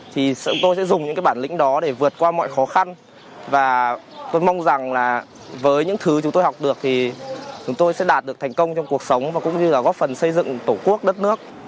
thì chúng tôi sẽ dùng những cái bản lĩnh đó để vượt qua mọi khó khăn và tôi mong rằng là với những thứ chúng tôi học được thì chúng tôi sẽ đạt được thành công trong cuộc sống và cũng như là góp phần xây dựng tổ quốc đất nước